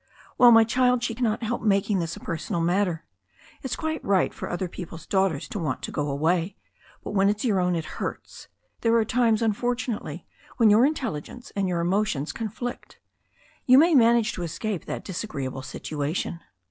"Well, my child, she cannot help making this a personal matter. It's quite right for other people's daughters to want to go away, but when it's your own it hurts. There are times, unfortunately, when your intelligence and your emo tions conflict. You may manage to escape that disagree able situation."